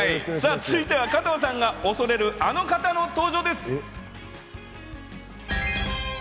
続いては加藤さんが恐れるあの方の登場です。